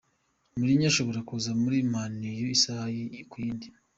Mourinho ushobora kuza muri Man u isaha kuyindi